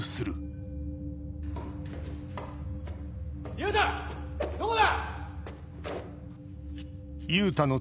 優太どこだ